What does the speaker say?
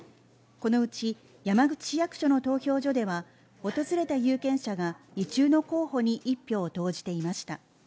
このうち山口市役所の投票所では訪れた有権者が意中の候補に１票を投じていました。